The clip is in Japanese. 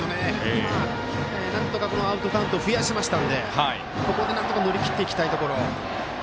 今、なんとかアウトカウント増やしましたのでなんとか乗り切っていきたいところ。